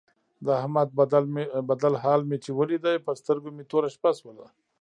د احمد بدل حال مې چې ولید په سترګو مې توره شپه شوله.